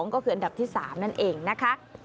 ก็คืออันดับที่๓นั่นเองนะคะ